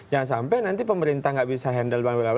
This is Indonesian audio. jangan sampai nanti pemerintah gak bisa handle banget